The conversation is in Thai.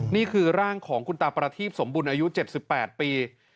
นี่คือร่างของคุณตาประทีปสมบุญอายุ๗๘ปี